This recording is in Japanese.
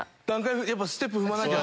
やっぱステップ踏まなきゃ。